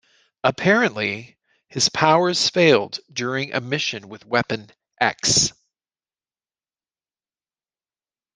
Apparently, his powers failed during a mission with Weapon X.